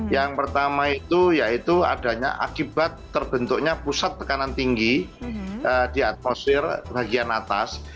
yang pertama itu yaitu adanya akibat terbentuknya pusat tekanan tinggi di atmosfer bagian atas